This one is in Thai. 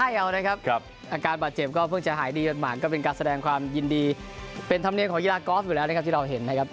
เอานะครับอาการบาดเจ็บก็เพิ่งจะหายดีกันมาก็เป็นการแสดงความยินดีเป็นธรรมเนียมของกีฬากอล์ฟอยู่แล้วนะครับที่เราเห็นนะครับ